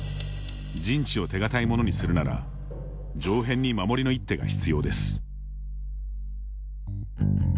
陣地を手堅いものにするなら上辺に守りの一手が必要です。